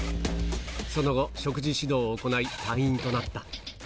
その後、食事指導を行い、退院となった。